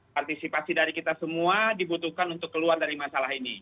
partisipasi dari kita semua dibutuhkan untuk keluar dari masalah ini